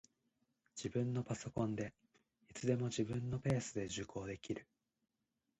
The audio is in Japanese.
自分のパソコンで、いつでも自分のペースで受講できる